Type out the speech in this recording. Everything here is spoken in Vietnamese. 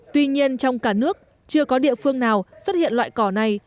tuy nhiên trong cả nước chưa có địa phương nào xuất hiện loại cỏ này